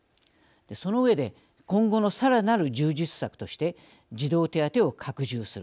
その上で今後のさらなる充実策として児童手当を拡充する。